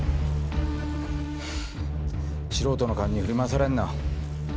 素人の勘に振り回されんな。